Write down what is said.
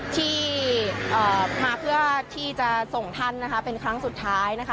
ที่มาเพื่อที่จะส่งท่านนะคะเป็นครั้งสุดท้ายนะคะ